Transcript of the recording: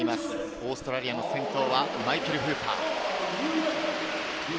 オーストラリアの司令塔はマイケル・フーパー。